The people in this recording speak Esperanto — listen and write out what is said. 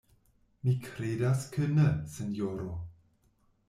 Mi kredas ke ne, sinjoro.